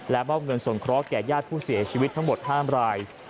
มอบเงินสงเคราะห์แก่ญาติผู้เสียชีวิตทั้งหมด๕ราย